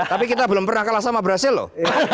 tapi kita belum pernah kalah sama brazil loh